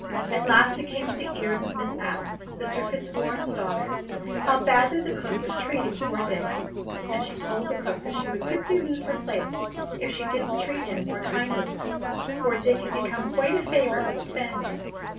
At last it came to the ears of Miss Alice, Mr. Fitzwarren's daughter, how badly the cook was treating poor Dick. And she told the cook that she would quickly lose her place if she didn't treat him more kindly, for Dick had become quite a favourite with the family.